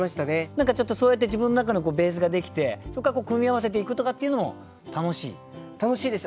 何かちょっとそうやって自分の中のベースができてそっから組み合わせていくとかっていうのも楽しい？